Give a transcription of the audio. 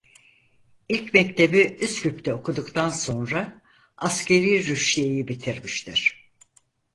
İlk mektebi Üsküp'te okuduktan sonda Askerî Rüştiyeyi bitirmiştir.